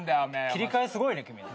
切り替えすごいね君。